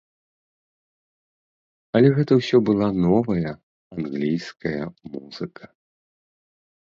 Але гэта ўсё была новая англійская музыка.